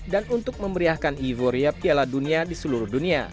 dan untuk memeriahkan ivoria piala dunia di seluruh dunia